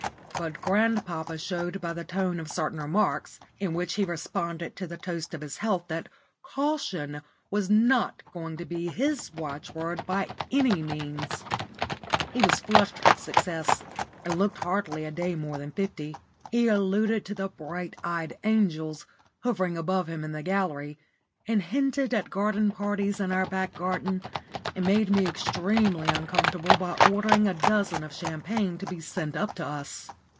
But grandpapa showed by the tone of certain remarks, in which he responded to the toast of his health, that "caution" was not going to be his watchword by any means. He was flushed with success, and hardly looked a day more than fifty. He alluded to the "bright eyed angels" hovering above him in the gallery, and hinted at garden parties in our back garden, and made me extremely uncomfortable by ordering a dozen of champagne to be sent up to us.